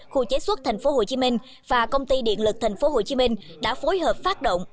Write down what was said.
khu chế xuất tp hcm và công ty điện lực tp hcm đã phối hợp phát động